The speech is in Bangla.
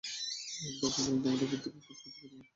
আর দরকার পরলে তোমাদের প্রত্যেককে কেটে কুচিকুচি করবো।